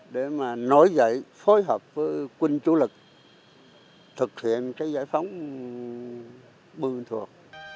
để mà nổi dậy phối hợp với quân chủ lực thực hiện cái giải phóng bưu thuột